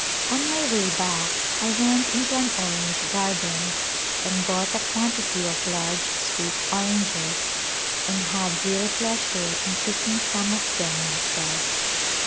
On my way back I went into an orange garden and bought a quantity of large sweet oranges, and had real pleasure in picking some of them myself.